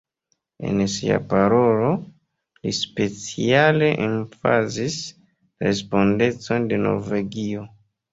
En sia parolo, li speciale emfazis la respondecon de Norvegio.